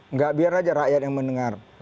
enggak biar aja rakyat yang mendengar